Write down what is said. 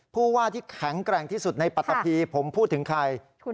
ผู้ว่าที่แข็งแกร่งที่สุดในปัตตะพีผมพูดถึงใคร